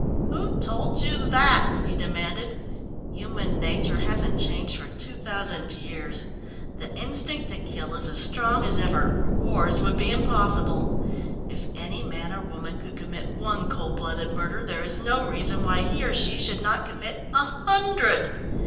"Who told you that?" he demanded. "Human nature hasn't changed for two thousand years. The instinct to kill is as strong as ever, or wars would be impossible. If any man or woman could commit one cold blooded murder, there is no reason why he or she should not commit a hundred.